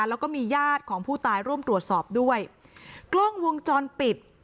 แล้วก็มีญาติของผู้ตายร่วมตรวจสอบด้วยกล้องวงจรปิด